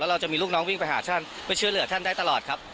เราจะมีลูกน้องวิ่งไปหาท่านไปช่วยเหลือท่านได้ตลอดครับ